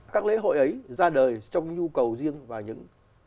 các lễ hội ấy ra đời trong nhu cầu riêng và những